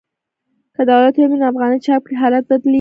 که دولت یو میلیون افغانۍ چاپ کړي حالت بدلېږي